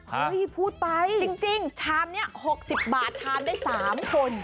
พูดไปจริงชามนี้๖๐บาททานได้๓คน